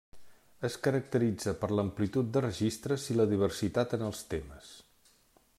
Es caracteritza per l'amplitud de registres i la diversitat en els temes.